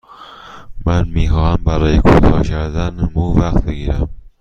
من می خواهم برای کوتاه کردن مو وقت بگیرم.